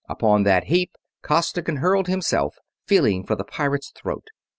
Upon that heap Costigan hurled himself, feeling for the pirate's throat.